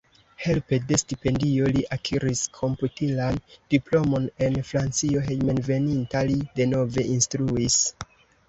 Helpe de stipendio li akiris komputilan diplomon en Francio, hejmenveninta li denove instruis.